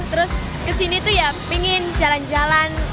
terus kesini tuh ya pingin jalan jalan